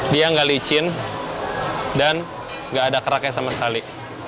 dia nggak licin dan nggak ada keraknya sama sekali